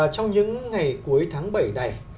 trong những ngày cuối tháng bảy này